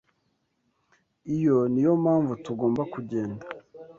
Iyo niyo mpamvu tugomba kugenda.